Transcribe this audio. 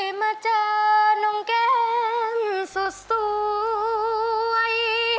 มาเจอน้องแก้มสุดสวย